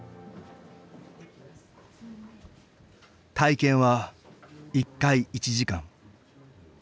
体験は１回１時間。